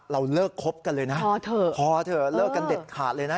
เราเลิกคบกันเลยนะพอเถอะเลิกกันเด็ดขาดเลยนะ